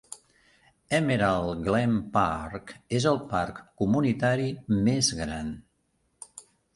Emerald Glen Park és el parc comunitari més gran.